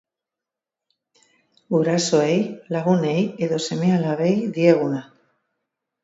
Gurasoei, lagunei edo seme-alabei dieguna.